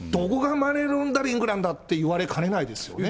どこがマネーロンダリングなんだって言われかねないですよね。